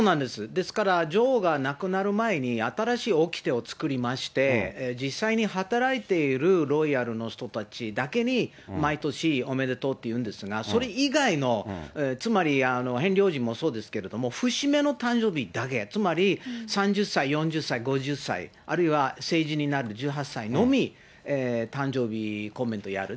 ですから、女王が亡くなる前に新しいおきてを作りまして、実際に働いているロイヤルの人たちだけに、毎年、おめでとうって言うんですが、それ以外の、つまりヘンリー王子もそうですけれども、節目の誕生日だけ、つまり３０歳、４０歳、５０歳、あるいは成人になる１８歳にのみ誕生日コメントやる。